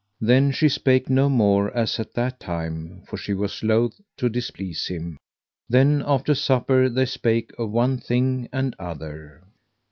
Then she spake no more as at that time, for she was loath to displease him. Then after supper they spake of one thing and other.